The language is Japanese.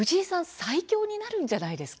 最強になるんじゃないですか。